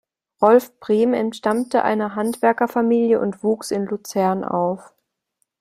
Rolf Brem entstammte einer Handwerkerfamilie und wuchs in Luzern auf.